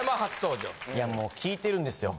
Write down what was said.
いやもう聞いてるんですよ。